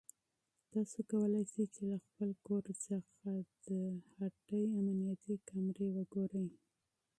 تاسو کولای شئ چې له خپل کور څخه د هټۍ امنیتي کامرې وګورئ.